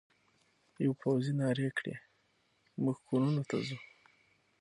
یوه پوځي نارې کړې: موږ کورونو ته ځو.